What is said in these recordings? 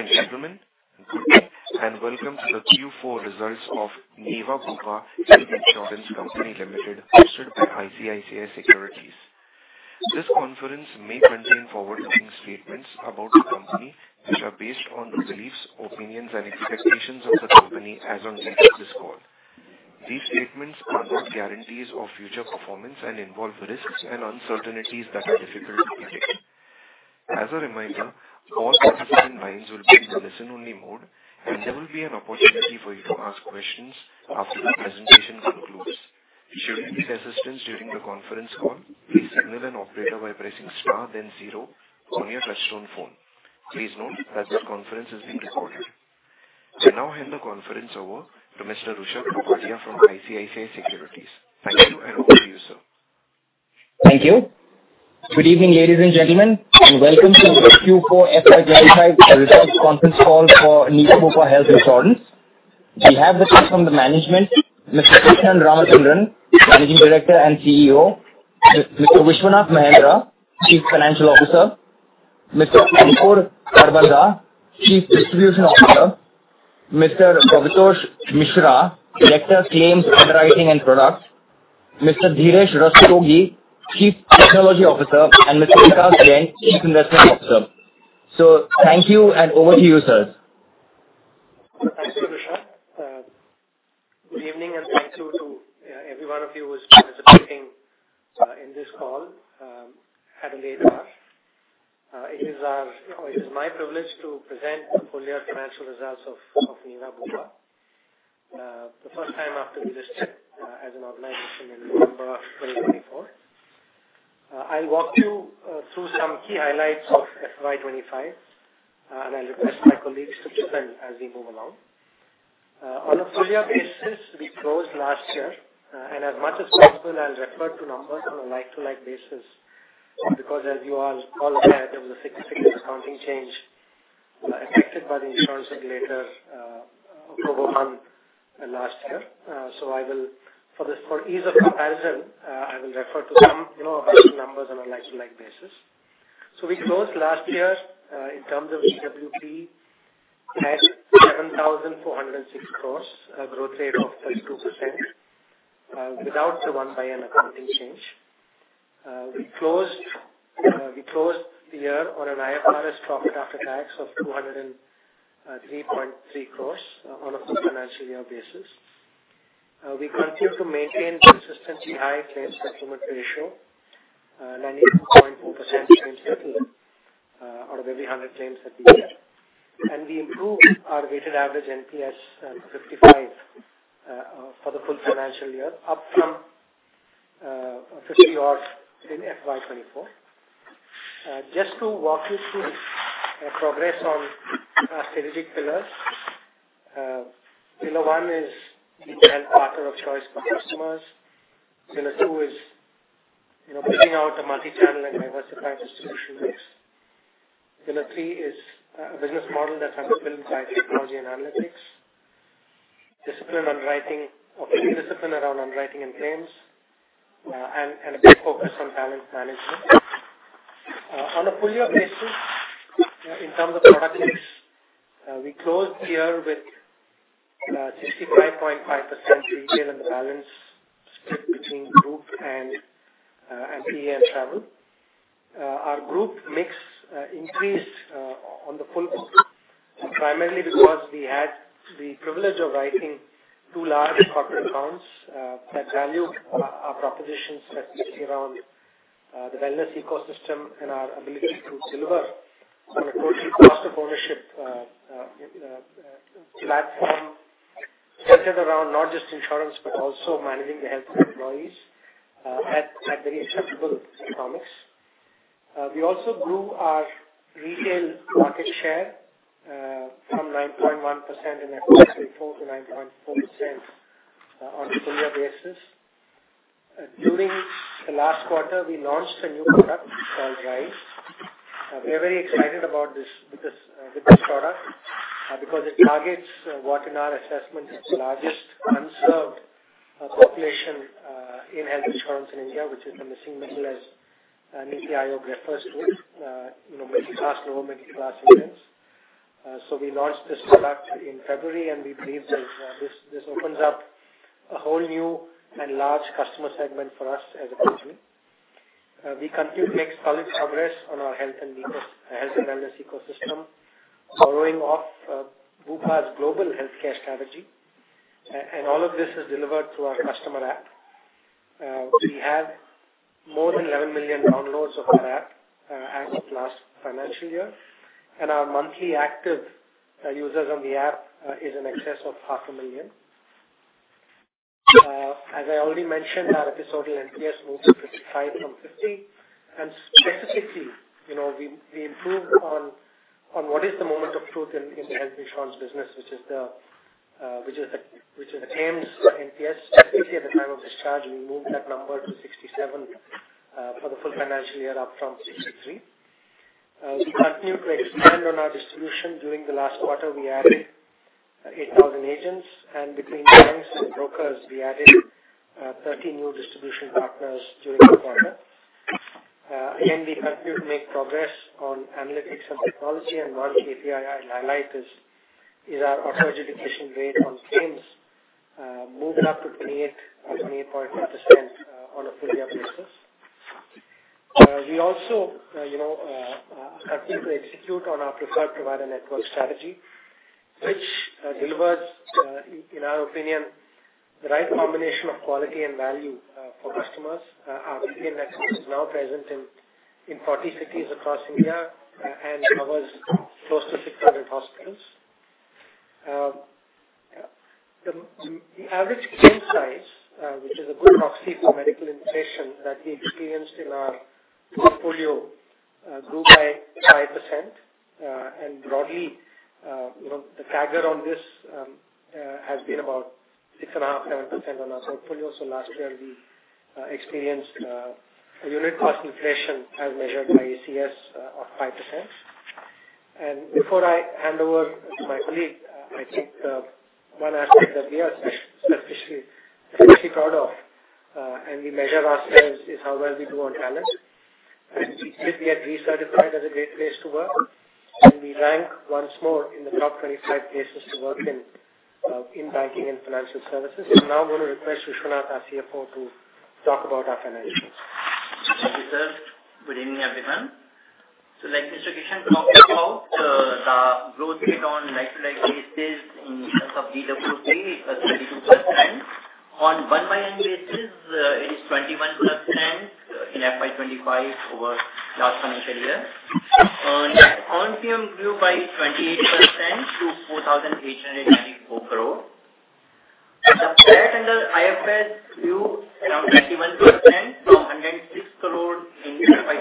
Ladies and gentlemen, good evening and welcome to the Q4 results of Niva Bupa Health Insurance Company Limited, hosted by ICICI Securities. This conference may contain forward-looking statements about the company which are based on the beliefs, opinions, and expectations of the company as on date of this call. These statements are not guarantees of future performance and involve risks and uncertainties that are difficult to predict. As a reminder, all participant lines will be in the listen-only mode, and there will be an opportunity for you to ask questions after the presentation concludes. Should you need assistance during the conference call, please signal an operator by pressing star, then zero, on your touch-tone phone. Please note that this conference is being recorded. I now hand the conference over to Mr. Rishabh Kothari from ICICI Securities. Thank you and over to you, sir. Thank you. Good evening, ladies and gentlemen, and welcome to the Q4 FY 2025 results conference call for Niva Bupa Health Insurance. We have the chair from the management, Mr. Krishnan Ramachandran, Managing Director and CEO, Mr. Vishwanath Mahendra, Chief Financial Officer, Mr. Ankur Kharbanda, Chief Distribution Officer, Mr. Bhabatosh Mishra, Director of Claims, Underwriting, and Products, Mr. Direesh Rustogi, Chief Technology Officer, and Mr. Prakash Dev, Chief Investment Officer. So thank you and over to you, sir. Thank you, Rishabh. Good evening and thank you to every one of you who is participating in this call at a late hour. It is my privilege to present the full-year financial results of Niva Bupa, the first time after we listed as an organization in November 2024. I'll walk you through some key highlights of FY 2025, and I'll request my colleagues to chip in as we move along. On a full-year basis, we closed last year, and as much as possible, I'll refer to numbers on a like-to-like basis because, as you all are aware, there was a significant accounting change affected by the insurance regulator October 1 last year. So for ease of comparison, I will refer to some numbers on a like-to-like basis. So we closed last year in terms of GWP at 7,406 crores, a growth rate of 32%, without the one-off accounting change. We closed the year on an IFRS profit after tax of 203.3 crores on a full-financial year basis. We continue to maintain consistently high claims fulfillment ratio, 92.4% claims total out of every 100 claims that we get, and we improved our weighted average NPS to 55 for the full-financial year, up from 50 or in FY 2024. Just to walk you through progress on strategic pillars, Pillar 1 is being a health partner of choice for customers. Pillar 2 is pushing out a multi-channel and diversified distribution mix. Pillar 3 is a business model that's underpinned by technology and analytics, discipline around underwriting and claims, and a big focus on talent management. On a full-year basis, in terms of product mix, we closed the year with 65.5% retail and the balance split between group and PA and travel. Our group mix increased on the full primarily because we had the privilege of writing two large corporate accounts that value our propositions around the wellness ecosystem and our ability to deliver on a total cost of ownership platform centered around not just insurance but also managing the health of employees at very acceptable economics. We also grew our retail market share from 9.1% in FY 2024 to 9.4% on a full-year basis. During the last quarter, we launched a new product called Aspire We're very excited about this product because it targets, what in our assessment, is the largest unserved population in health insurance in India, which is the missing middle, as NITI Aayog refers to, middle-class, lower-middle-class insurance. We launched this product in February, and we believe this opens up a whole new and large customer segment for us as a company. We continue to make solid progress on our health and wellness ecosystem, building off Bupa's global healthcare strategy, and all of this is delivered through our customer app. We have more than 11 million downloads of our app as of last financial year, and our monthly active users on the app is in excess of 500,000. As I already mentioned, our eNPS moved to 55 from 50, and specifically, we improved on what is the moment of truth in the health insurance business, which is the claims NPS. Specifically, at the time of discharge, we moved that number to 67 for the full financial year, up from 63. We continue to expand on our distribution. During the last quarter, we added 8,000 agents, and between banks and brokers, we added 30 new distribution partners during the quarter. Again, we continue to make progress on analytics and technology, and one KPI I'd highlight is our auto adjudication rate on claims moved up to 28.2% on a full-year basis. We also continue to execute on our preferred provider network strategy, which delivers, in our opinion, the right combination of quality and value for customers. Our PA network is now present in 40 cities across India and covers close to 600 hospitals. The average claim size, which is a good proxy for medical inflation that we experienced in our portfolio, grew by 5% and broadly, the CAGR on this has been about 6.5%-7% on our portfolio, so last year, we experienced unit cost inflation as measured by ACS of 5% and before I hand over to my colleague, I think one aspect that we are especially proud of, and we measure ourselves, is how well we do on talent. We did get recertified as a Great Place to Work, and we ranked once more in the top 25 places to work in banking and financial services. Now I'm going to request Vishwanath, our CFO, to talk about our financials. Good evening, everyone. So like Mr. Krishnan talked about, the growth rate on like-for-like basis in terms of GWP is 32%. On year-on-year basis, it is 21% in FY 2025 over last financial year. On PAT, by 28% to 4,894 crores. The PAT under IFRS grew around 21% from 106 crores in FY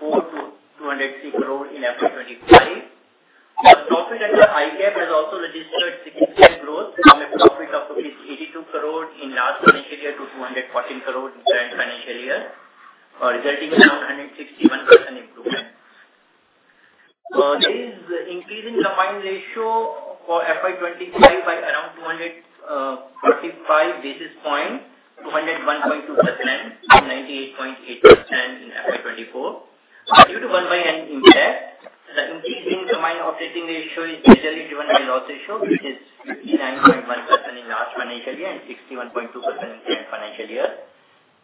2024 to 203 crores in FY 2025. The profit under IGAAP has also registered 6% growth from a profit of INR 82 crores in last financial year to 214 crores in current financial year, resulting in around 161% improvement. There is an increase in the combined ratio for FY 2025 by around 245 basis points, 201.2% to 98.8% in FY 2024. Due to year-on-year impact, the increase in combined operating ratio is generally driven by loss ratio, which is 59.1% in last financial year and 61.2% in current financial year.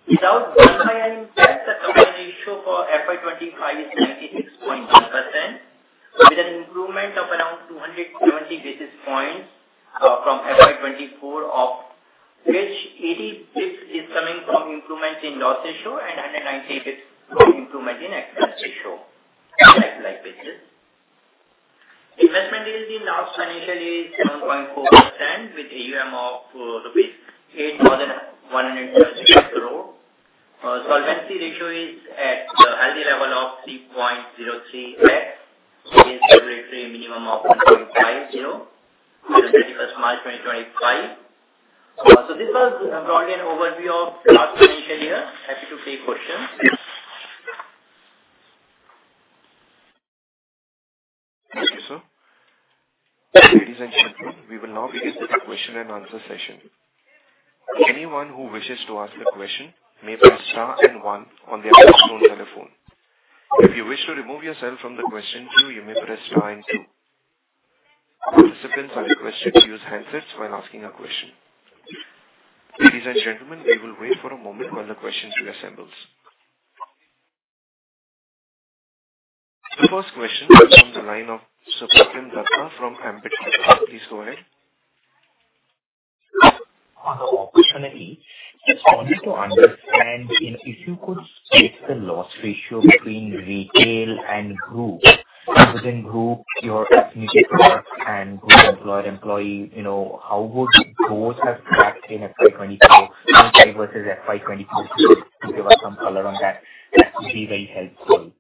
Without one-off impact, the combined ratio for FY 2025 is 96.1%, with an improvement of around 270 basis points from FY 2024, of which 80 basis points is coming from improvement in loss ratio and 190 basis points from improvement in expense ratio on a like-to-like basis. Investment yield in last financial year is 7.4%, with AUM of rupees 8,136 crores. Solvency ratio is at a healthy level of 3.03x, against a regulatory minimum of 1.50 as of 31st March 2025. This was broadly an overview of last financial year. Happy to take questions. Thank you, sir. Ladies and gentlemen, we will now begin the question and answer session. Anyone who wishes to ask a question may press star and one on their touch-tone telephone. If you wish to remove yourself from the question queue, you may press star and two. Participants are requested to use handsets while asking a question. Ladies and gentlemen, we will wait for a moment while the question queue assembles. The first question comes from the line of Supratim Datta from Ambit. Please go ahead. On the opportunity, it's harder to understand if you could split the loss ratio between retail and group. Within group, your estimated loss and group employer-employee, how would both have stacked in FY 2024 versus FY 2022? If you could give us some color on that, that would be very helpful.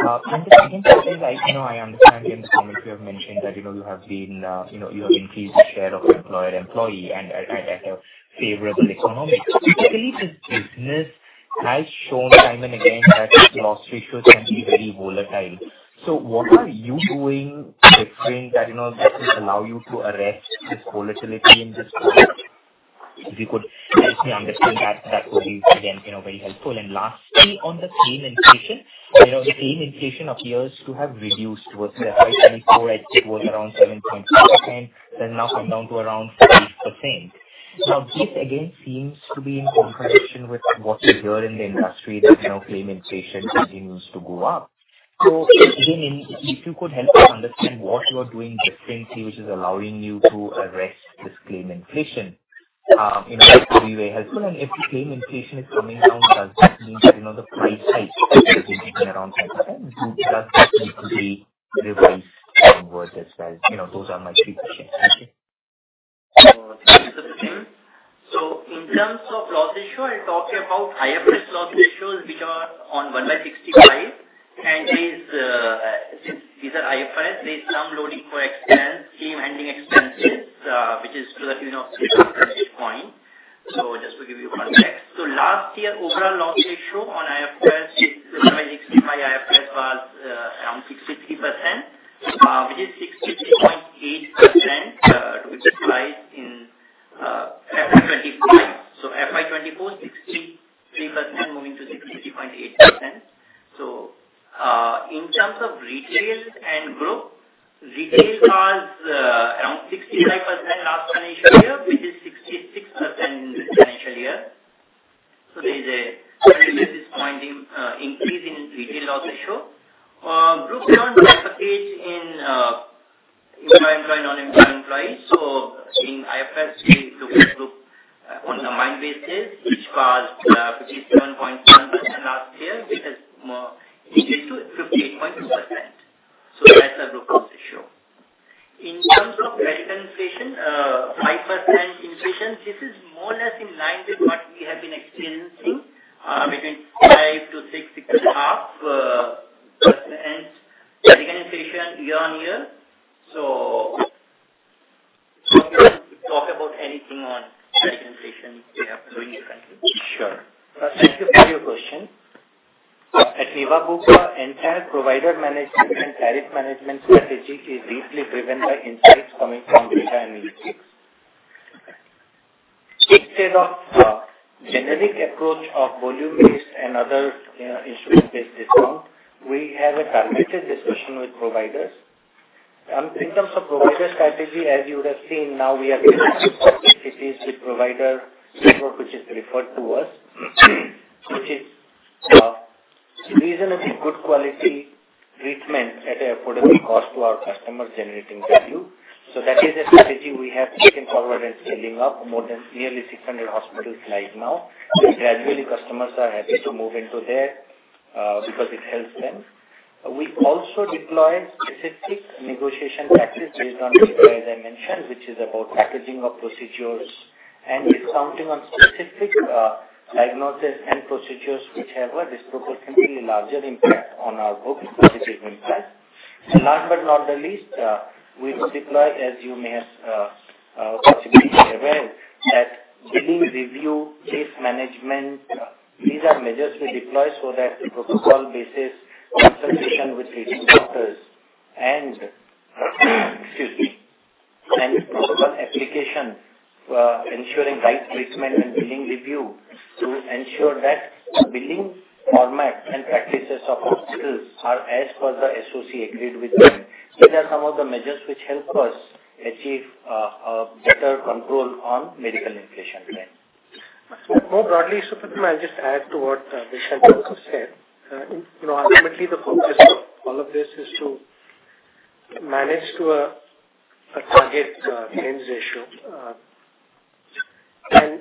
In the second question, I understand in the comments you have mentioned that you have increased the share of employer-employee and at a favorable economic. I believe this business has shown time and again that loss ratios can be very volatile. So what are you doing different that will allow you to arrest this volatility in this quarter? If you could help me understand that, that would be, again, very helpful. And lastly, on the claim inflation, the claim inflation appears to have reduced versus FY 2024, at which it was around 7.4%, has now come down to around 8%. Now, this again seems to be in contradiction with what we hear in the industry that claim inflation continues to go up. So again, if you could help us understand what you are doing differently, which is allowing you to arrest this claim inflation, that would be very helpful. And if the claim inflation is coming down, does that mean that the price hikes have been coming around 5%? Does that need to be revised onward as well? Those are my three questions. Thank you. So in terms of loss ratio, I'll talk about IFRS loss ratios, which are 65. And these are IFRS. There is some loading for expense, claim handling expenses, which is to the tune of 66 points. So just to give you context. So last year, overall loss ratio on IFRS, the 65 IFRS was around 63%, which is 63.8% to be precise in FY 2025. So FY 2024, 63% moving to 63.8%. So in terms of retail and group, retail was around 65% last financial year, which is 66% in this financial year. So there is a 20 basis point increase in retail loss ratio. Group and then employer-employee, non-employer-employee. So in IFRS, we look at group on a combined basis, which was 57.1% last year, which has increased to 58.2%. So that's the group loss ratio. In terms of medical inflation, 5% inflation, this is more or less in line with what we have been experiencing between 5% to 6%, 6.5% medical inflation year on year. So talk about anything on medical inflation we have been doing differently. Sure. Thank you for your question. At Niva Bupa, entire provider management and tariff management strategy is deeply driven by insights coming from data analytics. Instead of a generic approach of volume-based and other instrument-based discount, we have a targeted discussion with providers. In terms of provider strategy, as you would have seen, now we are getting cities with provider network, which is preferred to us, which is reasonably good quality treatment at an affordable cost to our customers, generating value. So that is a strategy we have taken forward and scaling up more than nearly 600 hospitals right now. Gradually, customers are happy to move into there because it helps them. We also deploy specific negotiation practices based on the data as I mentioned, which is about packaging of procedures and discounting on specific diagnoses and procedures, which have a disproportionately larger impact on our books, positive impact. Last but not the least, we deploy, as you may have possibly been aware, that billing review, case management. These are measures we deploy so that the protocol basis consultation with treating doctors and protocol application, ensuring right treatment and billing review to ensure that billing formats and practices of hospitals are as further associated with them. These are some of the measures which help us achieve better control on medical inflation then. More broadly, sir, I'll just add to what Vishwanath said. Ultimately, the focus of all of this is to manage to a target claims ratio, and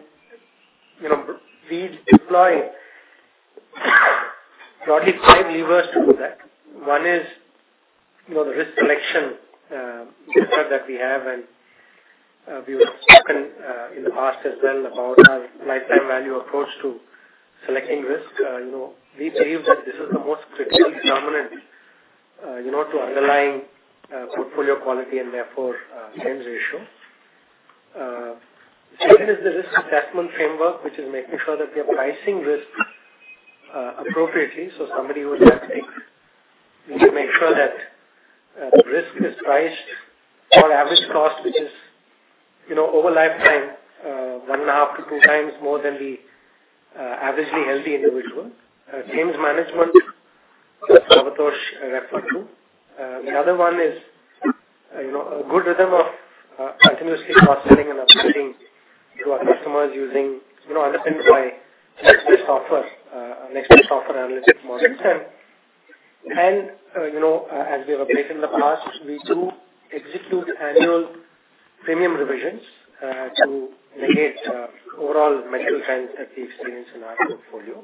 we deploy broadly five levers to do that. One is the risk selection method that we have, and we have spoken in the past as well about our lifetime value approach to selecting risk. We believe that this is the most critical determinant to underlying portfolio quality and therefore claims ratio. The second is the risk assessment framework, which is making sure that we are pricing risk appropriately. So somebody who is at risk, we need to make sure that risk is priced for average cost, which is over lifetime, one and a half-two times more than the averagely healthy individual. Claims management, as Bhabatosh referred to. The other one is a good rhythm of continuously cost-setting and updating to our customers using, underpinned by next-best offer, next-best offer analytic models. And as we have updated in the past, we do execute annual premium revisions to negate overall medical trends that we experience in our portfolio.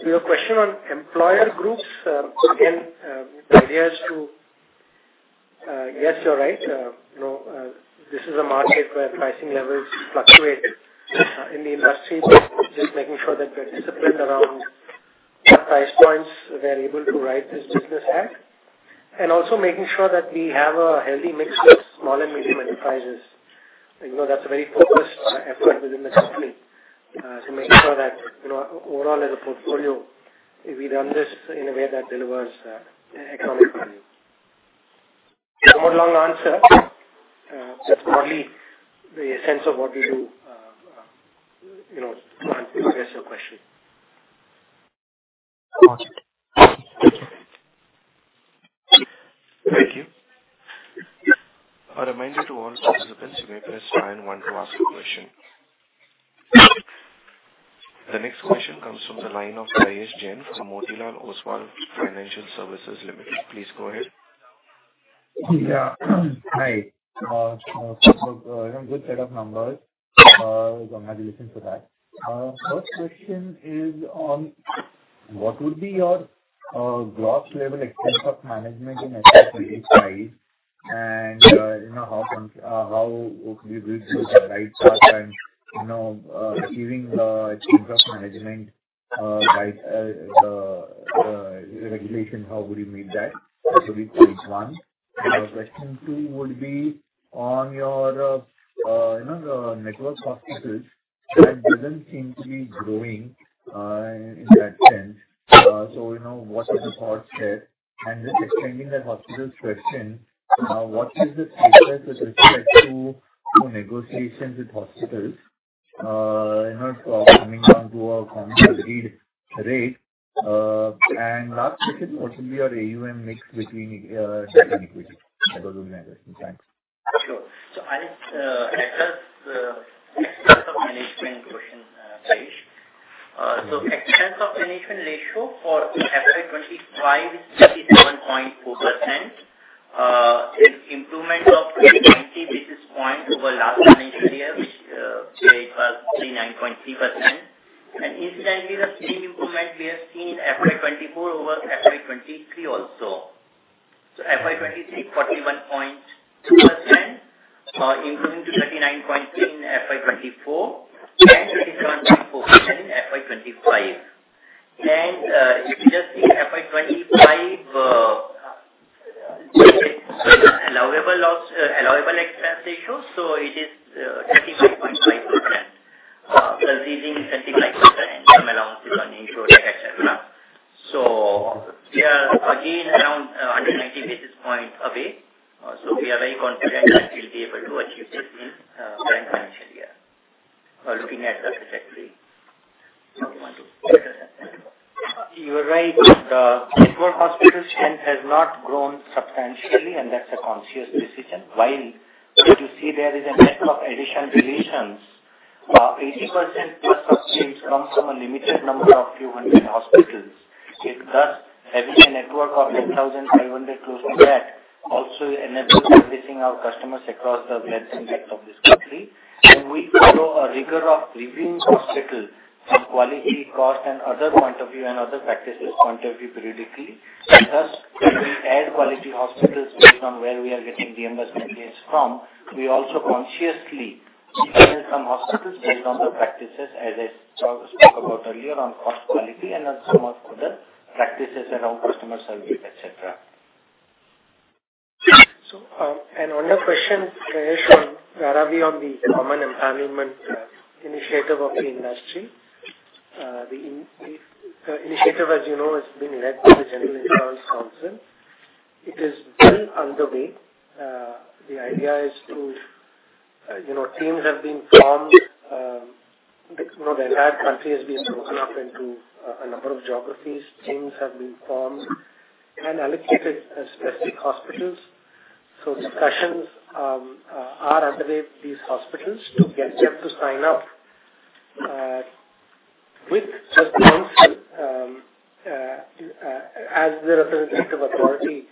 To your question on employer groups, again, the idea is to, yes, you're right, this is a market where pricing levels fluctuate in the industry, but just making sure that we are disciplined around what price points we are able to ride this business at. And also making sure that we have a healthy mix of small and medium enterprises. That's a very focused effort within the company to make sure that overall, as a portfolio, we run this in a way that delivers economic value. So, more long answer. That's broadly the sense of what we do to answer your question. Thank you. A reminder to all participants, you may press star and one to ask a question. The next question comes from the line of Prayesh Jain from Motilal Oswal Financial Services Limited. Please go ahead. Yeah. Hi. So I have a good set of numbers. Congratulations for that. First question is on what would be your gross level Expenses of Management in FY 2025, and how would we do the right part and achieving Expenses of Management by regulation? How would you meet that? So this is one. Question two would be on your network hospitals that didn't seem to be growing in that sense. So what are the thoughts there? And just expanding that hospitals question, what is the status with respect to negotiations with hospitals coming down to a common agreed rate? And last question, what would be your AUM mix between equity? That was my question. Thanks. Sure. So I'll address the Expenses of Management question, Prayesh. So Expenses of Management ratio for FY 2025 is 57.4%. Improvement of 290 basis points over last financial year, which was 39.3%, and incidentally, the same improvement we have seen FY 2024 over FY 2023 also. So FY 2023, 41.2%, improving to 39.3% in FY 2024, and 37.4% in FY 2025. And if you just see FY 2025, allowable expense ratio, so it is 25.5%, consisting 25%. And some allowances on insurance, etc. So we are again around 190 basis points away. So we are very confident that we'll be able to achieve this in current financial year, looking at the trajectory. You are right. The network hospital strength has not grown substantially, and that's a conscious decision. While if you see there is a network addition relations, 80%+ of claims come from a limited number of few hundred hospitals. It does have a network of 10,500, close to that. It also enables servicing our customers across the breadth and depth of this country, and we follow a rigor of reviewing hospitals from quality, cost, and other point of view, and other practices point of view periodically. Thus, we add quality hospitals based on where we are getting reimbursement claims from. We also consciously de-panel some hospitals based on the practices, as I spoke about earlier, on cost quality and on some of the practices around customer service, etc. So. On the question, Prayesh, where are we on the common empanelment initiative of the industry? The initiative, as you know, is being led by the General Insurance Council. It is well underway. The idea is, teams have been formed. The entire country has been broken up into a number of geographies. Teams have been formed and allocated specific hospitals. So discussions are underway with these hospitals to get them to sign up with just the council as the representative authority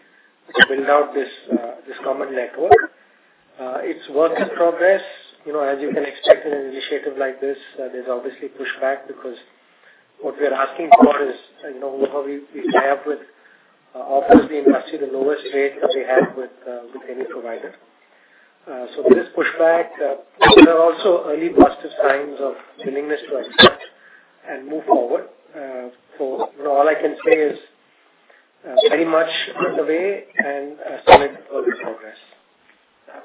to build out this common network. It's work in progress. As you can expect, in an initiative like this, there's obviously pushback because what we are asking for is to tie up with, obviously, the industry the lowest rate that we have with any provider. So there is pushback. There are also early positive signs of willingness to accept and move forward. So all I can say is very much underway and solid progress.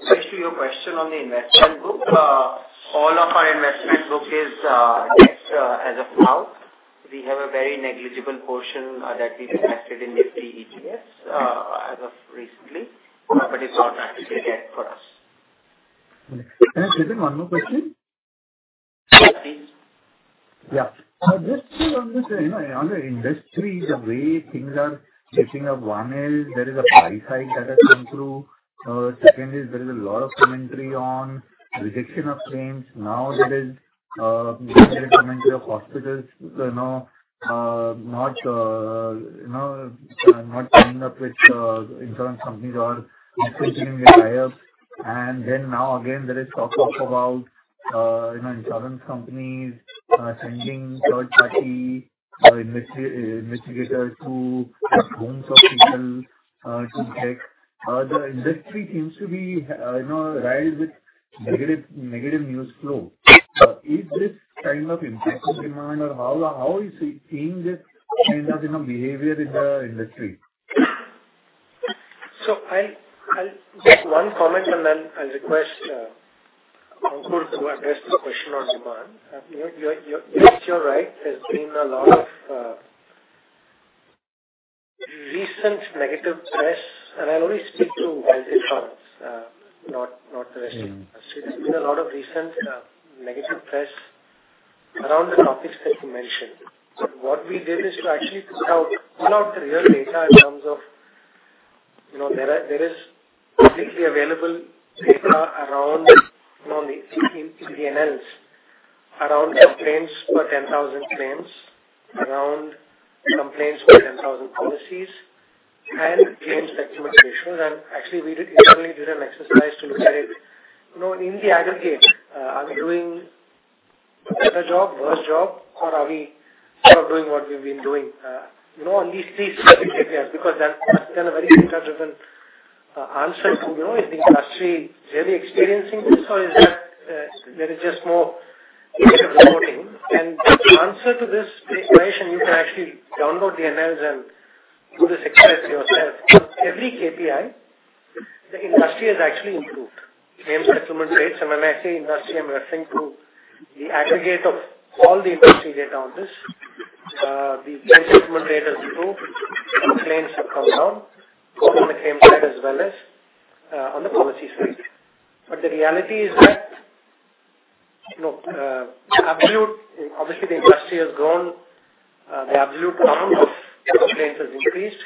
Back to your question on the investment book. All of our investment book is, I guess, as of now, we have a very negligible portion that we invested in these three ETFs as of recently, but it's not practically yet for us. Can I jump in? One more question. Yes, please. Yeah. So just to understand, on the industry, the way things are shaping up, one is there is a price hike that has come through. Second is there is a lot of commentary on rejection of claims. Now there is commentary of hospitals not signing up with insurance companies or continuing their tie-ups. And then now again, there is talk about insurance companies sending third-party investigators to homes of people to check. The industry seems to be riled with negative news flow. Is this kind of impacting demand, or how is seeing this kind of behavior in the industry? So, I'll make one comment, and then I'll request Ankur to address the question on distribution. Yes, you're right. There's been a lot of recent negative press, and I'll only speak to Niva Bupa, not the rest of the industry. There's been a lot of recent negative press around the topics that you mentioned. What we did is to actually pull out the real data in terms of. There is publicly available data around in the NLs around complaints for 10,000 claims, around complaints for 10,000 policies, and claims documentation. And actually, we did an exercise to look at it in the aggregate. Are we doing a better job, worse job, or are we sort of doing what we've been doing? On these three specific areas, because that's been a very data-driven answer to is the industry really experiencing this, or is that there is just more data reporting? The answer to this, Prayesh, and you can actually download the NLs and do this exercise yourself. On every KPI, the industry has actually improved. Claims settlement rates, and when I say industry, I'm referring to the aggregate of all the industry data on this. The claims settlement rate has improved. Claims have come down on the claims side as well as on the policy side. But the reality is that, no, absolute, obviously, the industry has grown. The absolute count of claims has increased.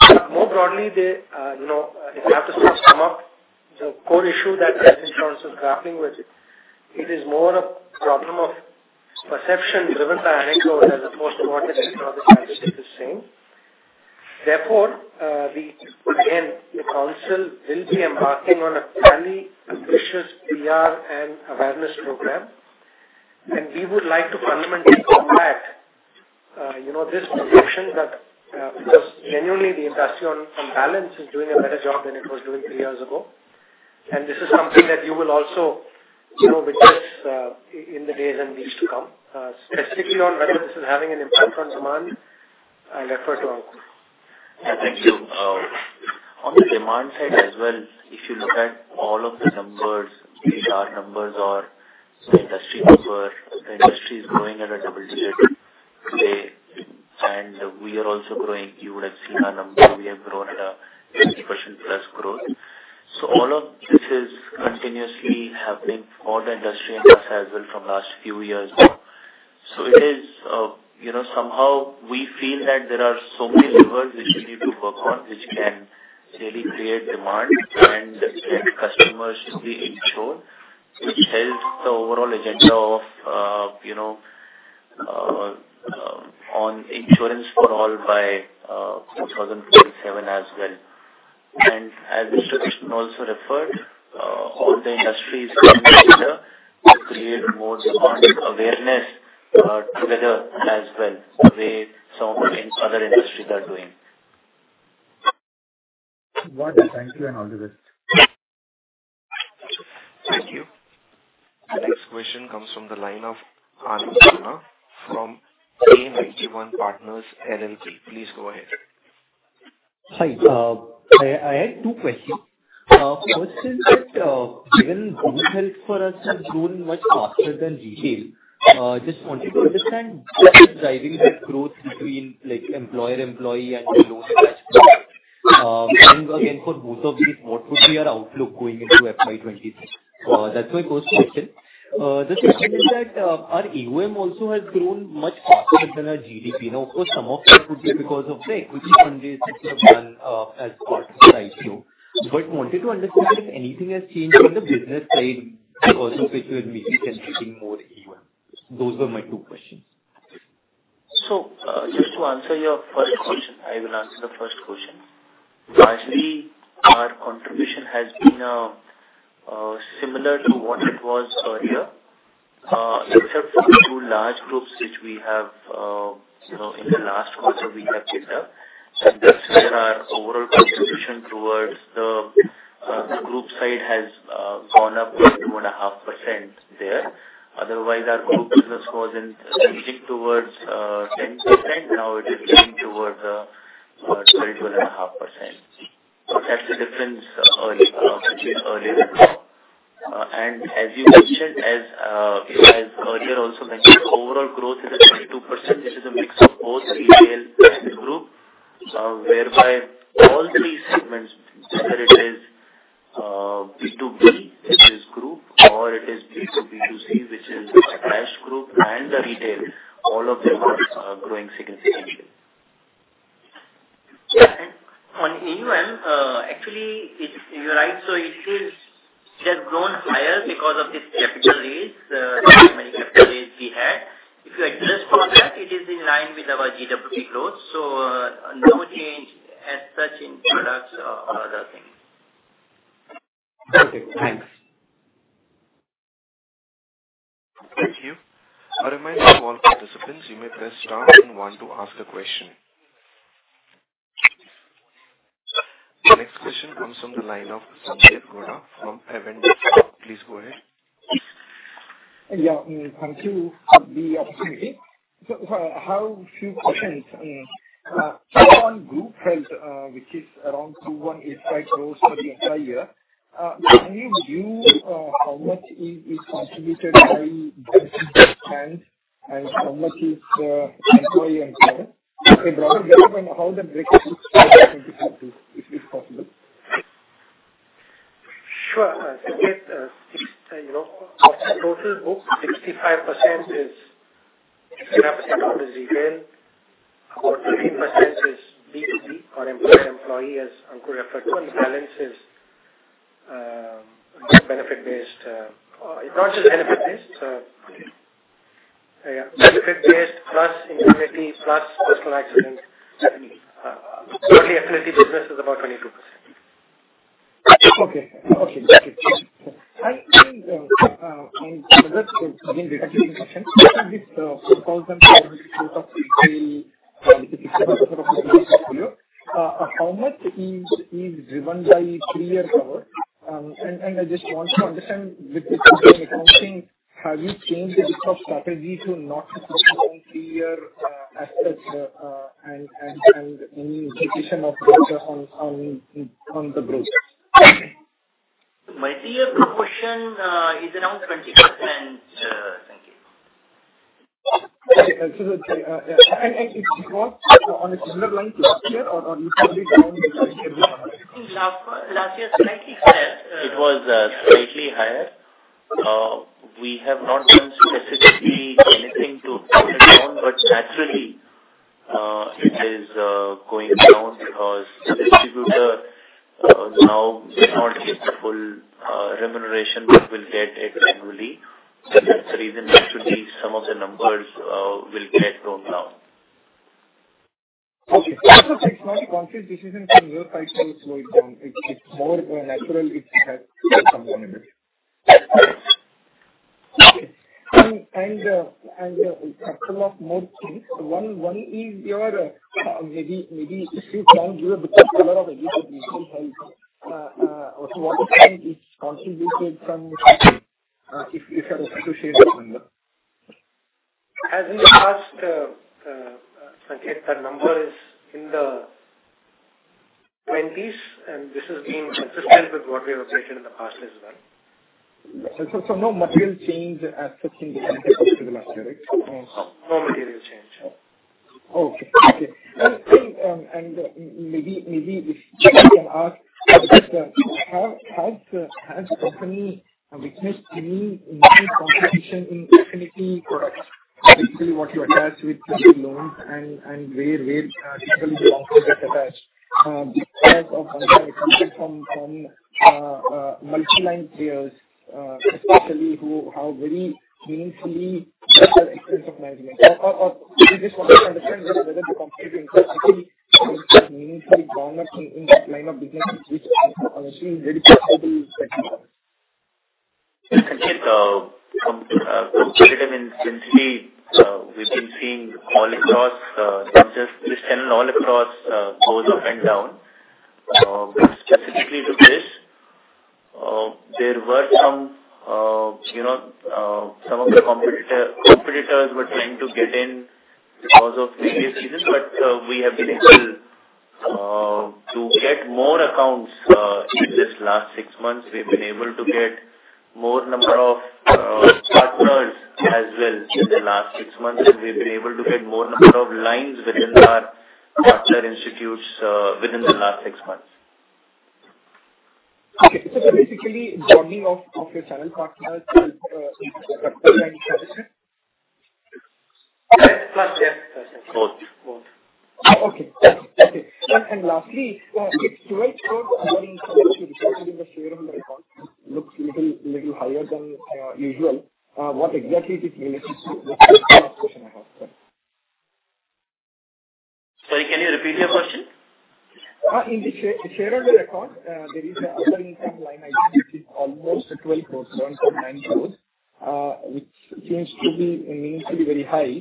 But more broadly, if I have to sum up the core issue that health insurance is grappling with, it is more a problem of perception driven by anecdotes as opposed to what the technology scientific is saying. Therefore, again, the council will be embarking on a fairly ambitious PR and awareness program. We would like to fundamentally combat this perception that, genuinely, the industry on balance is doing a better job than it was doing three years ago. This is something that you will also witness in the days and weeks to come. Specifically on whether this is having an impact on demand, I'll refer to Ankur. Yeah, thank you. On the demand side as well, if you look at all of the numbers, PR numbers or the industry number, the industry is growing at a double digit today, and we are also growing. You would have seen our number. We have grown at a 50%+ growth, so all of this is continuously happening for the industry and us as well from last few years now, so it is somehow we feel that there are so many levers which we need to work on, which can really create demand and get customers to be insured, which helps the overall agenda on Insurance for All by 2047 as well, and as Mr. Krishnan also referred, all the industry is coming together to create more demand awareness together as well, the way some of the other industries are doing. Thank you, and all the best. Thank you. The next question comes from the line of Annapurna from A91 Partners, LLP. Please go ahead. Hi. I had two questions. First is that given group health for us has grown much faster than retail, I just wanted to understand what is driving the growth between employer-employee and loan attach? And again, for both of these, what would be our outlook going into FY 2023? That's my first question. The second is that our AUM also has grown much faster than our GWP. Now, of course, some of that would be because of the equity fundraising sort of done as part of the IPO. But wanted to understand if anything has changed on the business side because of which we are maybe considering more AUM. Those were my two questions. Just to answer your first question, I will answer the first question. While, our contribution has been similar to what it was earlier, except for two large groups which we have in the last quarter we kept it up. And that's where our overall contribution towards the group side has gone up to 2.5% there. Otherwise, our group business was inching towards 10%. Now it is inching towards 12.5%. That's the difference earlier now. And as you mentioned, as he has earlier also mentioned, overall growth is at 22%. This is a mix of both retail and group, whereby all three segments, whether it is B2B, which is group, or it is B2B2C, which is cashless group and retail, all of them are growing significantly. And on AUM, actually, you're right. So it has grown higher because of this capital raise, the primary capital raise we had. If you address all that, it is in line with our GWP growth. So no change as such in products or other things. Okay. Thanks. Thank you. A reminder to all participants, you may press star if you want to ask a question. The next question comes from the line of Sanketh Godha from Avendus Spark. Please go ahead. Yeah. Thank you for the opportunity, so I have a few questions. Keep on group health, which is around 218.5% growth for the entire year. Can you view how much is contributed by businesses and how much is employee-employer? If broader, how the breakdown looks for 2022, if possible. Sure. The total book, 65% is retail, about 13% is B2B or employer-employee, as Ankur referred to, and the balance is affinity-based. It's not just affinity-based. Yeah. Affinity-based plus Affinity plus personal accident. Our affinity business is about 22%. Okay. Thank you. And on the next question, this calls to the retail portfolio. How much is driven by three-year cover? And I just want to understand, with the accounting, have you changed the booking strategy to not focus on three-year assets and any implication of that on the growth? My three-year proportion is around 20%. Thank you. It's grown on a similar line to last year, or it's probably down this year? Last year slightly higher. It was slightly higher. We have not done specifically anything to bring it down, but naturally, it is going down because the distributor now may not get the full remuneration but will get it annually. That's the reason actually some of the numbers will get drawn down. Okay. So it's not a conscious decision from your side to slow it down. It's more natural it has some remuneration. Okay. And a couple of more things. One is your maybe if you can give a bit of color of HDFC, what % is contributed from if you are associated with them? As in the past, Sanketh, the number is in the 20s, and this has been consistent with what we have updated in the past as well. So no material change as such in the last year, right? No material change. Has the company witnessed any contribution in Affinity products, basically what you attach with the loans and where typically the long-term gets attached? Because of sometimes it comes in from multi-line players, especially who have very meaningfully better Expenses of Management. Or we just wanted to understand whether the company has actually meaningfully grown up in that line of business, which is obviously very possible that. Thank you. So competitive intensity, we've been seeing all across, not just this channel, all across, goes up and down. Specifically with this, there were some of the competitors were trying to get in because of various reasons, but we have been able to get more accounts in this last six months. We've been able to get more number of partners as well in the last six months, and we've been able to get more number of lines within our partner institutes within the last six months. Okay. So basically, bonding of your channel partners is a strategic partnership? Yes. Yes. Both. Okay. And lastly, if 12% bundling strategy is included in the shareholder account, looks a little higher than usual. What exactly is related to this last question I have, sorry? Sorry, can you repeat your question? In the shareholder account, there is an other income line item which is almost 12%, 7.9%, which seems to be meaningfully very high.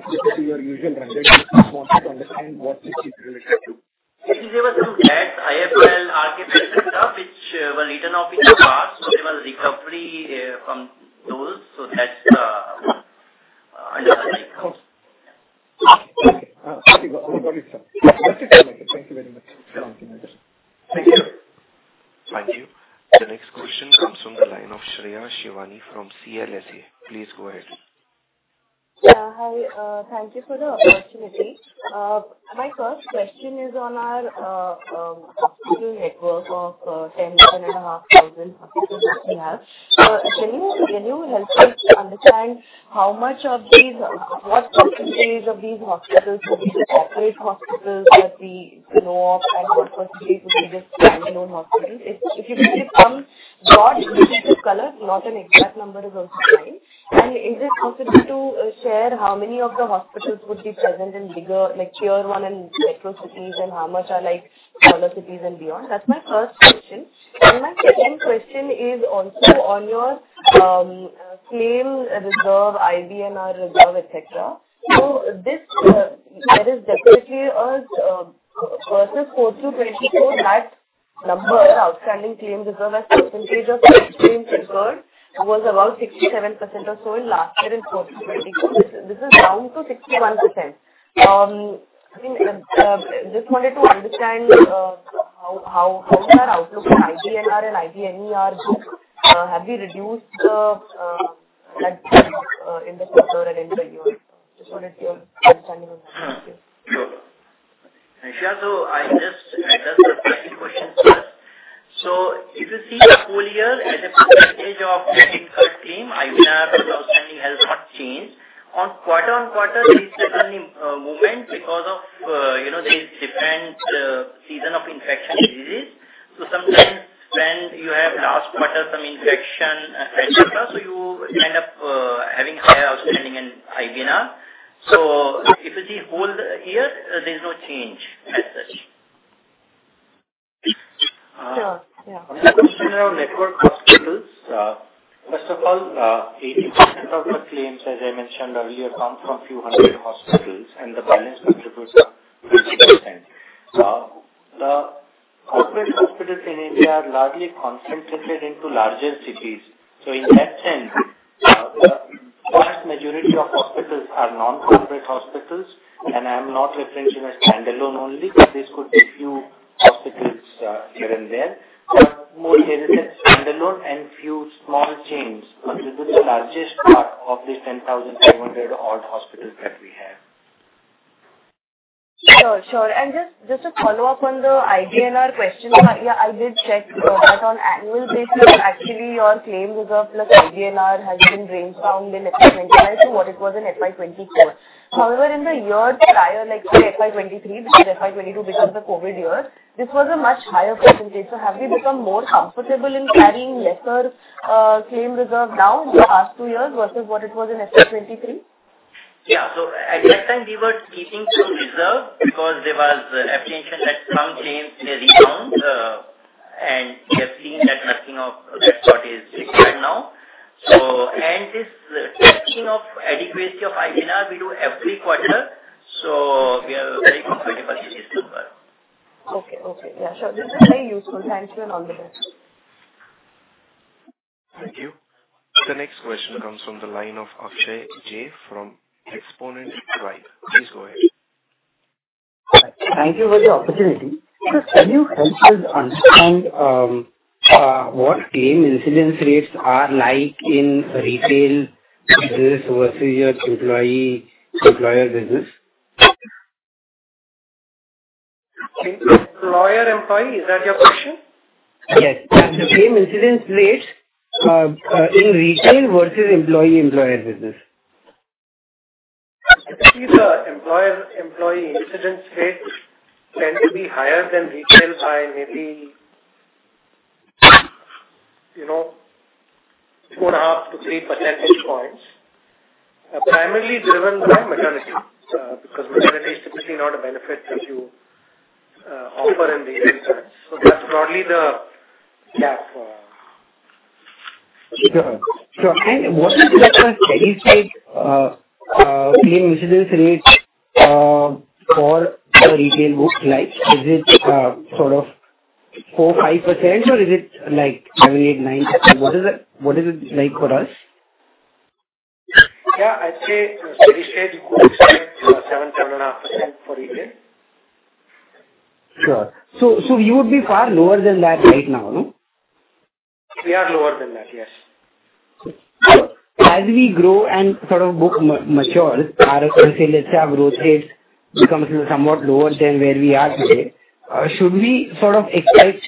Specifically, your usual trend, I just wanted to understand what this is related to? He gave us some stats, IL&FS, R-Cap and stuff, which were written off in the past. There was recovery from those. That's the underlying reason. Thank you. Thank you. The next question comes from the line of Shreya Shivani from CLSA. Please go ahead. Hi. Thank you for the opportunity. My first question is on our hospital network of 10,500 hospitals that we have. Can you help us understand what percentage of these hospitals would be corporate hospitals that we know of and what percentage would be just standalone hospitals? If you give some broad pieces of color, not an exact number is also fine. And is it possible to share how many of the hospitals would be present in bigger Tier 1 and metro cities and how much are smaller cities and beyond? That's my first question. And my second question is also on your claim reserve, IBNR reserve, etc. So there is definitely as of first of 2024 that number, outstanding claim reserve as percentage of claims incurred was about 67% or so in last year in 2024. This is down to 61%. I mean, just wanted to understand how is our outlook for IBNR and IBNR group? Have we reduced them in the quarter and in the year? Just wanted your understanding on that. Thank you. Shreya, so I'll just address the second question first. So if you see the whole year as a percentage of incurred claims, the outstanding has not changed. On quarter-on-quarter, there is certainly movement because of these different seasonal infectious diseases. So sometimes when you have last quarter some infection etc., so you end up having higher outstanding and IBNR. So if you see whole year, there is no change as such. Sure. Yeah. On the question around network hospitals, first of all, 80% of the claims, as I mentioned earlier, come from few hundred hospitals, and the balance contributes to 20%. The corporate hospitals in India are largely concentrated into larger cities. So in that sense, the vast majority of hospitals are non-corporate hospitals. And I am not referencing a standalone only, but this could be few hospitals here and there, but more here and there standalone and few small chains contribute the largest part of the 10,500-odd hospitals that we have. Sure. Sure. And just to follow up on the IBNR question, yeah, I did check that on annual basis, actually your claim reserve plus IBNR has decreased from what it was in FY 2022 to what it was in FY 2024. However, in the years prior, like FY 2023, because FY 2022 becomes a COVID year, this was a much higher percentage. So have we become more comfortable in carrying lesser claim reserve now in the past two years versus what it was in FY 2023? Yeah. So at that time, we were keeping some reserve because there was apprehension that some chains may rebound, and we have seen that nothing of that sort is required now. And this testing of adequacy of IBNR, we do every quarter. So we are very comfortable with this number. Okay. Okay. Yeah. Sure. This is very useful. Thank you and all the best. Thank you. The next question comes from the line of Akshay Jogani from Xponentia Capital. Please go ahead. Thank you for the opportunity. Can you help us understand what claim incidence rates are like in retail business versus your employer business? Employer-employee, is that your question? Yes. The claim incidence rates in retail versus employee-employer business. I think the employer-employee incidence rates tend to be higher than retail by maybe 2.5%-3% percentage points, primarily driven by maternity because maternity is typically not a benefit that you offer in retail terms. So that's probably the gap. Sure. Sure. And what is the percentage claim incidence rate for the retail book like? Is it sort of 4%, 5%, or is it like 7%, 8%, 9%? What is it like for us? Yeah. I'd say percentage would be 7%-7.5% for retail. Sure. So we would be far lower than that right now, no? We are lower than that, yes. Sure. As we grow and sort of mature, let's say our growth rates become somewhat lower than where we are today, should we sort of expect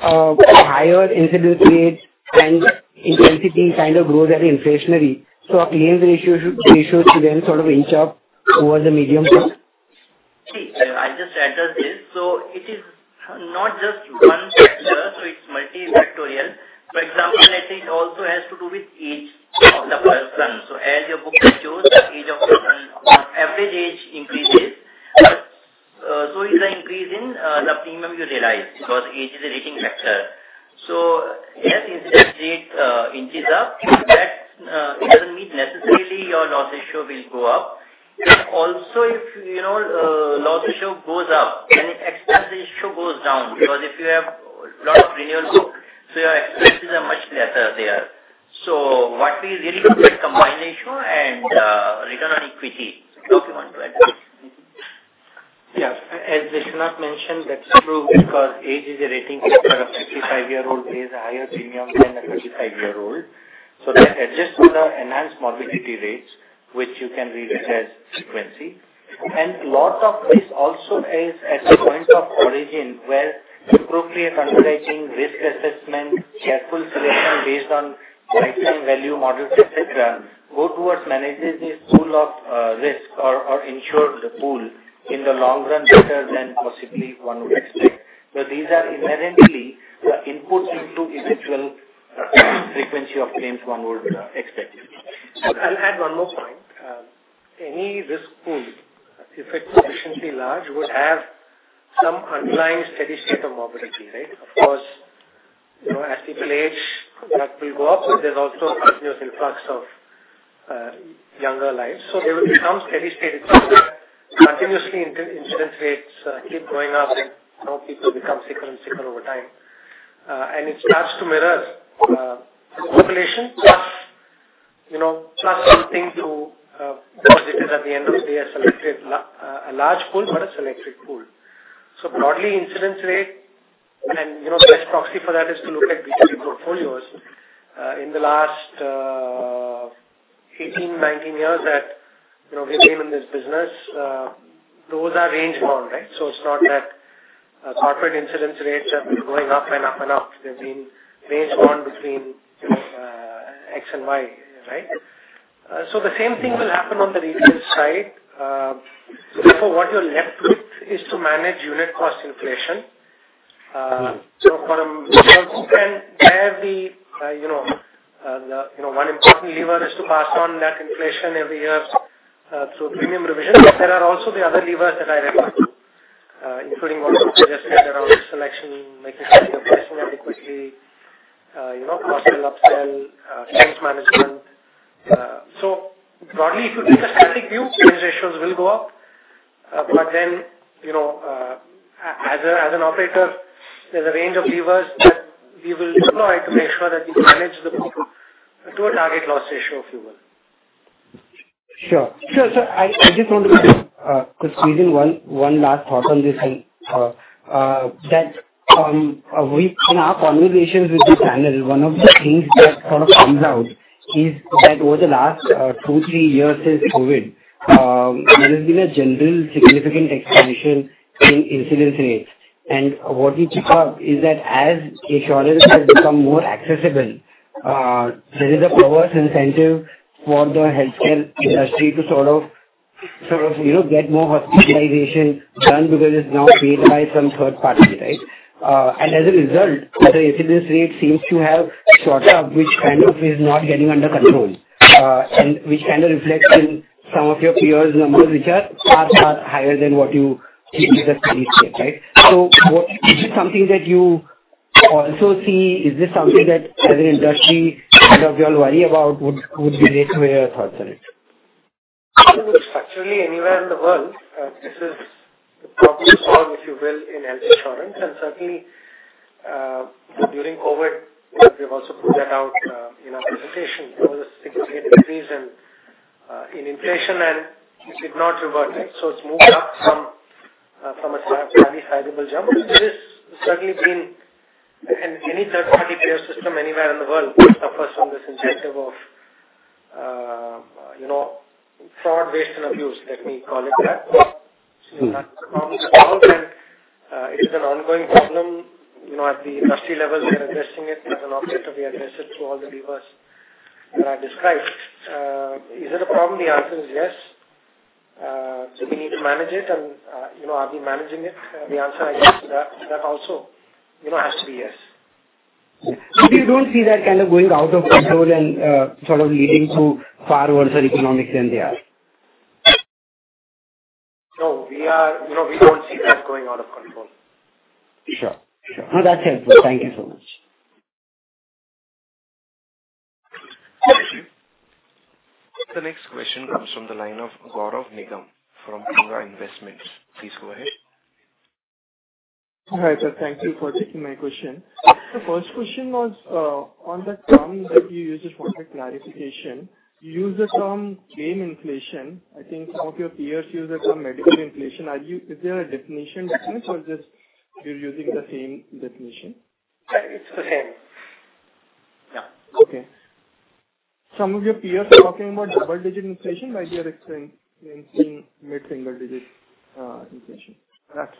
higher incidence rates and intensity kind of grows at inflationary? So our claims ratio should then sort of inch up towards a medium? I'll just address this. So it is not just one factor, so it's multifactorial. For example, it also has to do with age of the person. So as your book matures, the age of the average age increases. So it's an increase in the premium you realize because age is a rating factor. So as incidence rate increases up, that doesn't mean necessarily your loss ratio will go up. And also, if loss ratio goes up, then expense ratio goes down because if you have a lot of renewal book, so your expenses are much lesser there. So what we really do is combine the issue and return on equity. How do you want to address it? Yes. As Vishwanath mentioned, that's true because age is a rating factor. A 65-year-old pays a higher premium than a 35-year-old. So they adjust the enhanced morbidity rates, which you can read as frequency. And a lot of this also is at the point of origin where appropriate underwriting, risk assessment, careful selection based on lifetime value models, etc., go towards managing this pool of risk or ensure the pool in the long run better than possibly one would expect. So these are inherently the inputs into eventual frequency of claims one would expect. I'll add one more point. Any risk pool, if it's sufficiently large, would have some underlying steady state of morbidity, right? Of course, as people age, that will go up, but there's also a continuous influx of younger lives. So there will be some steady state. Continuously incidence rates keep going up, and more people become sicker and sicker over time. And it starts to mirror the population plus something too because it is at the end of the day a selected large pool, but a selected pool. So broadly, incidence rate and the best proxy for that is to look at B2B portfolios. In the last 18-19 years that we've been in this business, those are range bound, right? So it's not that corporate incidence rates have been going up and up and up. They've been range bound between X and Y, right? So the same thing will happen on the retail side. Therefore, what you're left with is to manage unit cost inflation. So from reserves can have the one important lever is to pass on that inflation every year through premium revision. There are also the other levers that I referred to, including what I just said around selection, making sure you're pricing adequately, cost and upsell, claims management. So broadly, if you take a static view, claims ratios will go up. But then as an operator, there's a range of levers that we will deploy to make sure that we manage the book to a target loss ratio if you will. Sure. So I just want to just quickly do one last thought on this thing. In our conversations with the channel, one of the things that sort of comes out is that over the last two, three years since COVID, there has been a general significant expansion in incidence rates. And what we pick up is that as insurance has become more accessible, there is a perverse incentive for the healthcare industry to sort of get more hospitalization done because it's now paid by some third party, right? And as a result, the incidence rate seems to have shot up, which kind of is not getting under control and which kind of reflects in some of your peers' numbers, which are far, far higher than what you think is the steady state, right? So is this something that you also see? Is this something that as an industry kind of you all worry about? What would be your thoughts on it? I think structurally, anywhere in the world, this is the problem solved, if you will, in health insurance, and certainly during COVID, we have also put that out in our presentation. There was a significant increase in inflation, and it did not revert, right? So it's moved up from a slightly sizable jump, and this has certainly been. Any third-party care system anywhere in the world suffers from this incentive of fraud, waste, and abuse, let me call it that. So that's the problem as well, and it is an ongoing problem. At the industry level, we are addressing it as an operator. We address it through all the levers that I described. Is it a problem? The answer is yes. Do we need to manage it, and are we managing it? The answer, I guess, to that also has to be yes. So you don't see that kind of going out of control and sort of leading to far worse economics than they are? No, we don't see that going out of control. Sure. Sure. That's helpful. Thank you so much. The next question comes from the line of Gaurav Nigam from Tunga Investments. Please go ahead. Hi, sir. Thank you for taking my question. The first question was on the term that you use as one for clarification. You use the term claim inflation. I think some of your peers use the term medical inflation. Is there a definition difference, or just you're using the same definition? It's the same. Yeah. Okay. Some of your peers are talking about double-digit inflation, but you're experiencing mid-single digit inflation. That's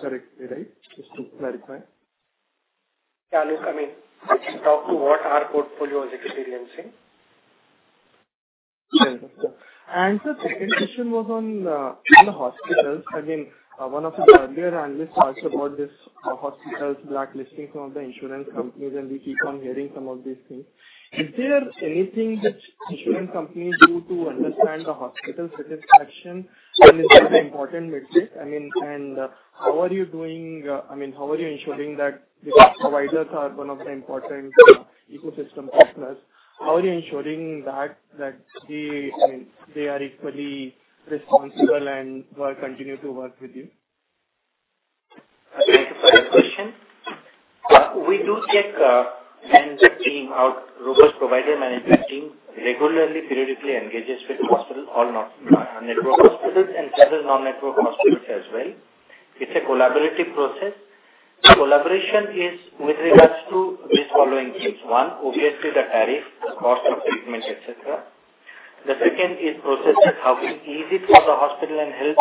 correct, right? Just to clarify. Yeah. Look, I mean, it's up to what our portfolio is experiencing. The second question was on the hospitals. Again, one of the earlier analysts talked about this hospitals blacklisting some of the insurance companies, and we keep on hearing some of these things. Is there anything which insurance companies do to understand the hospital's satisfaction? And is that an important metric? I mean, and how are you doing? I mean, how are you ensuring that because providers are one of the important ecosystem partners, how are you ensuring that they are equally responsible and continue to work with you? That's a great question. We do take our robust provider management team out regularly. It periodically engages with hospitals, all network hospitals and several non-network hospitals as well. It's a collaborative process. The collaboration is with regards to these following things. One, obviously, the tariff, the cost of treatment, etc. The second is processes, how to ease it for the hospital and help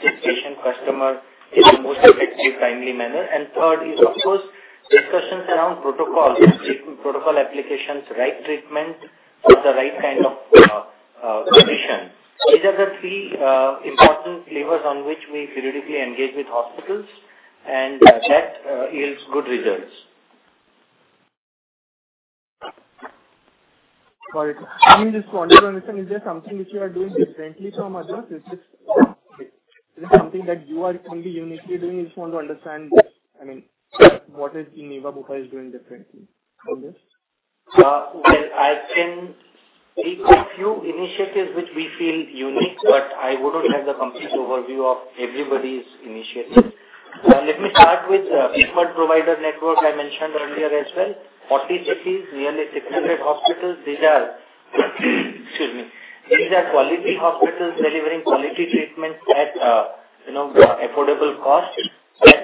the patient customer in the most effective, timely manner. And third is, of course, discussions around protocols, treatment protocol applications, right treatment for the right kind of condition. These are the three important levers on which we periodically engage with hospitals, and that yields good results. Got it. I mean, just wanted to understand, is there something which you are doing differently from others? Is it something that you are only uniquely doing? I just want to understand, I mean, what Niva Bupa is doing differently on this? I can speak of a few initiatives which we feel unique, but I wouldn't have the complete overview of everybody's initiatives. Let me start with the preferred provider network I mentioned earlier as well. 40 cities, nearly 600 hospitals. These are, excuse me, these are quality hospitals delivering quality treatments at affordable cost.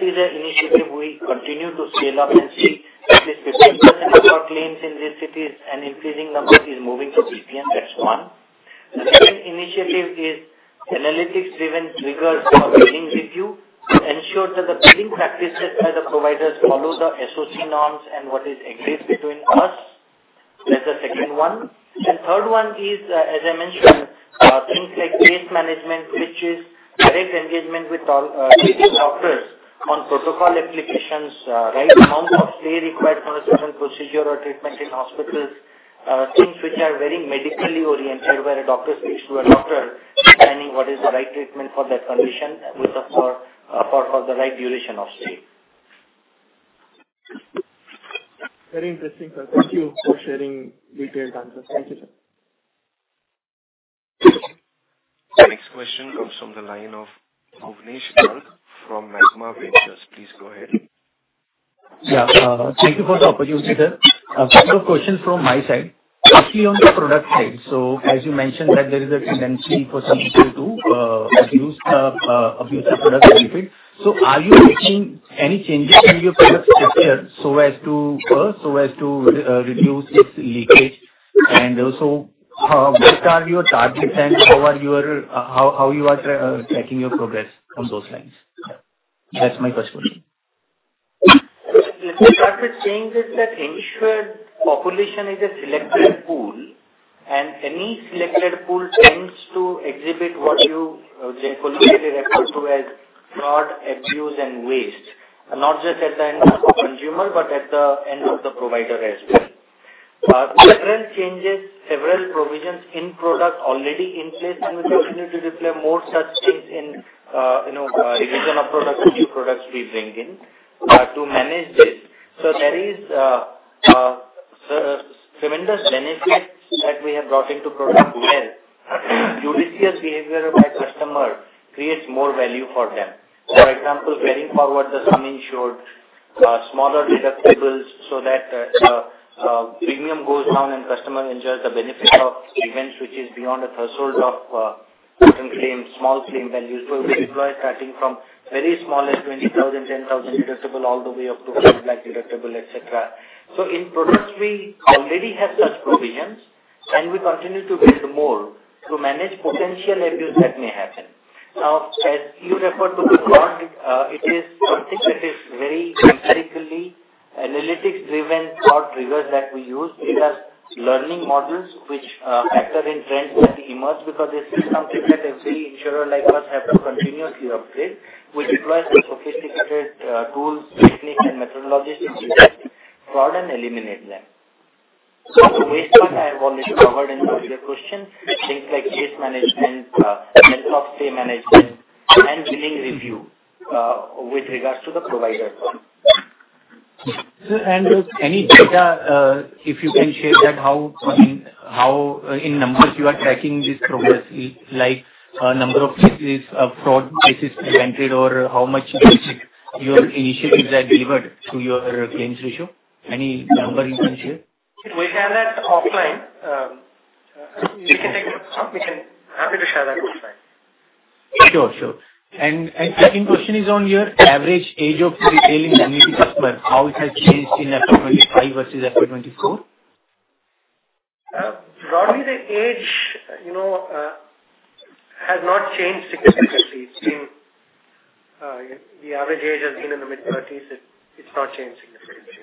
That is an initiative we continue to scale up and see at least 50% of our claims in these cities, and increasing number is moving to PPN. That's one. The second initiative is analytics-driven triggers for billing review to ensure that the billing practices by the providers follow the SOC norms and what is agreed between us. That's the second one. And third one is, as I mentioned, things like case management, which is direct engagement with all treating doctors on protocol applications, right? Amount of stay required for a certain procedure or treatment in hospitals, things which are very medically oriented where a doctor speaks to a doctor, defining what is the right treatment for that condition with the right duration of stay. Very interesting, sir. Thank you for sharing detailed answers. Thank you, sir. The next question comes from the line of Avinash Goel from Magma Ventures. Please go ahead. Yeah. Thank you for the opportunity, sir. A couple of questions from my side. Actually, on the product side, so as you mentioned that there is a tendency for some people to abuse the product benefit. So are you making any changes to your product structure so as to reduce its leakage? And also, what are your targets and how are you tracking your progress on those lines? That's my first question. Let me start with saying this that insured population is a selected pool, and any selected pool tends to exhibit what you colloquially refer to as fraud, abuse, and waste, not just at the end of the consumer, but at the end of the provider as well. Several changes, several provisions in product already in place, and we continue to deploy more such things in the design of products, new products we bring in to manage this. So there is tremendous benefit that we have brought into product where judicious behavior by customer creates more value for them. For example, carrying forward the sum insured, smaller deductibles so that the premium goes down and customer enjoys the benefit of events which is beyond a threshold of certain small claim values. So we deploy starting from very small, like 20,000, 10,000 deductible, all the way up to 5 lakh deductible, etc. So in products, we already have such provisions, and we continue to build more to manage potential abuse that may happen. Now, as you refer to the fraud, it is something that is very empirically analytics-driven fraud triggers that we use. These are learning models which factor in trends that emerge because this is something that every insurer like us has to continuously upgrade. We deploy some sophisticated tools, techniques, and methodologies to detect fraud and eliminate them. So waste part, I have already covered in the earlier questions, things like case management, length of stay management, and billing review with regards to the providers. Sir, and any data, if you can share that, how in numbers you are tracking this progress, like number of cases, fraud cases presented, or how much your initiatives are delivered to your claims ratio? Any number you can share? We can share that offline. We can take notes. We're happy to share that offline. Sure. Sure. And second question is on your average age of retail and bancassurance customers, how it has changed in FY 2025 versus FY 2024? Broadly, the age has not changed significantly. The average age has been in the mid-30s. It's not changed significantly.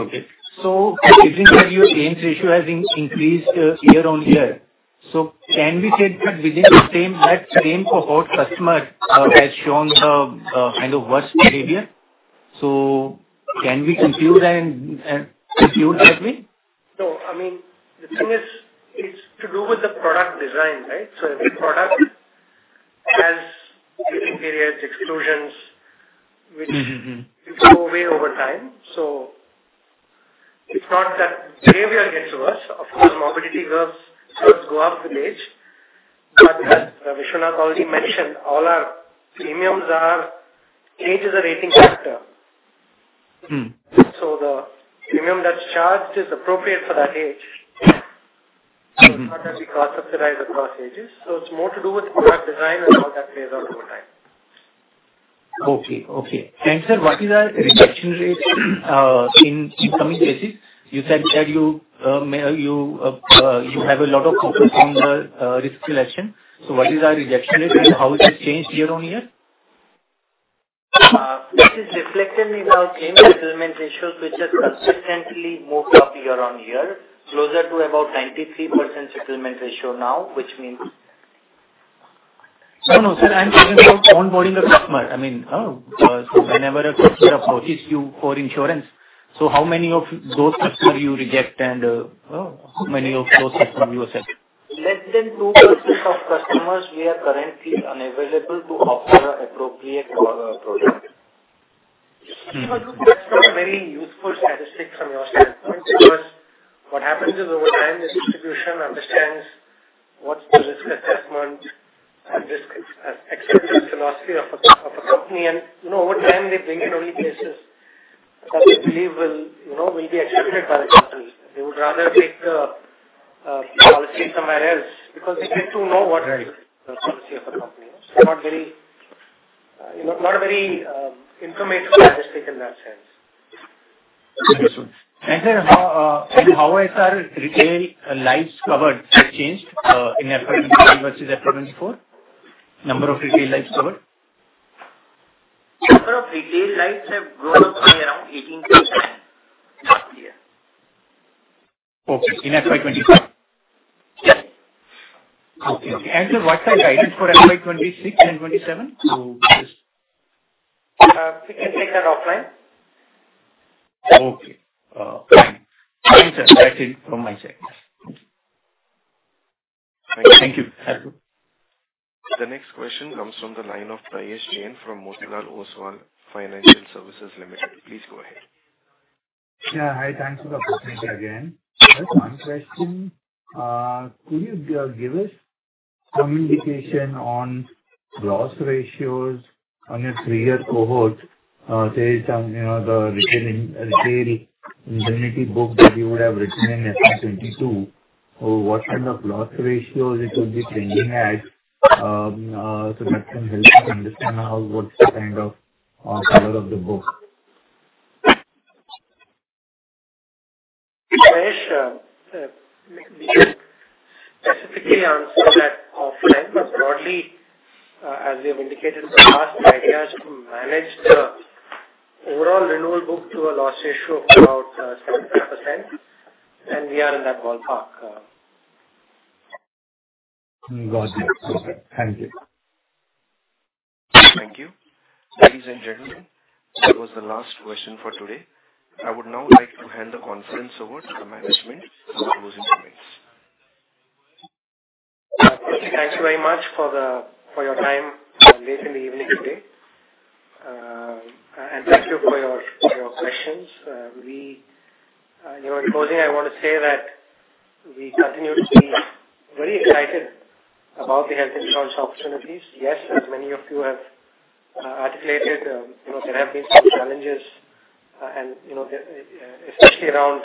Okay. So you think that your claims ratio has increased year on year. So can we say that within that same cohort, customer has shown the kind of worst behavior? So can we conclude that way? No. I mean, the thing is, it's to do with the product design, right? So every product has periods, exclusions, which go away over time. So it's not that behavior gets worse. Of course, morbidity does go up with age. But as Vishwanath already mentioned, all our premiums are, age is a rating factor. So the premium that's charged is appropriate for that age. So it's not that we cross-subsidize across ages. So it's more to do with product design and how that plays out over time. Okay. Okay. And, sir, what is our rejection rate in incoming cases? You said that you have a lot of focus on the risk selection. So, what is our rejection rate and how it has changed year on year? This is reflected in our claim settlement ratios, which has consistently moved up year on year, closer to about 93% settlement ratio now, which means. No, no, sir. I'm talking about onboarding a customer. I mean, whenever a customer approaches you for insurance, so how many of those customers do you reject and how many of those customers do you accept? Less than 2% of customers we are currently unavailable to offer appropriate product. That's not a very useful statistic from your standpoint because what happens is over time, the institution understands what's the risk assessment and risk acceptance philosophy of a company, and over time, they bring in only cases that they believe will be accepted by the company. They would rather take the policy somewhere else because they get to know what the policy of the company is. It's not a very informative statistic in that sense. Excellent. And sir, how has our retail lives covered changed in FY 2023 versus FY 2024? Number of retail lives covered? Number of retail lives have grown up by around 18% last year. Okay. In FY 2023? Yes. Okay. And sir, what's the guidance for FY 2026 and FY 2027? We can take that offline. Okay. Fine. Thanks, sir. That's it from my side. Thank you. Thank you. The next question comes from the line of Prayesh Jain from Motilal Oswal Financial Services Limited. Please go ahead. Yeah. Hi. Thanks for the opportunity again. Just one question. Could you give us some indication on loss ratios on your three-year cohort? There is the retail indemnity book that you would have written in FY 2022. What kind of loss ratios it would be trending at? So that can help us understand what's the kind of color of the book. Prayesh, specifically answer that offline, but broadly, as we have indicated in the past, the idea is to manage the overall renewal book to a loss ratio of about 75%, and we are in that ballpark. Got it. Thank you. Thank you. Ladies and gentlemen, that was the last question for today. I would now like to hand the conference over to the management to closing points. Thank you very much for your time late in the evening today. And thank you for your questions. In closing, I want to say that we continue to be very excited about the health insurance opportunities. Yes, as many of you have articulated, there have been some challenges, and especially around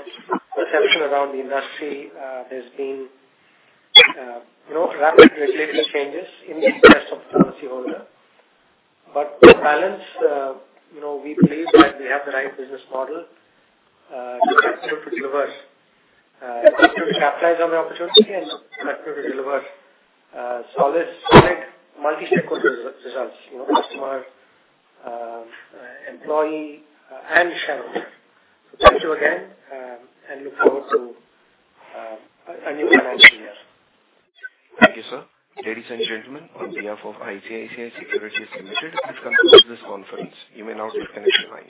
perception around the industry, there's been rapid regulatory changes in the interest of the policyholder. But to balance, we believe that we have the right business model to be able to deliver, to capitalize on the opportunity, and to be able to deliver solid, multi-stakeholder results, customer, employee, and shareholder. So thank you again, and look forward to a new financial year. Thank you, sir. Ladies and gentlemen, on behalf of ICICI Securities Limited, that concludes this conference. You may now disconnect the line.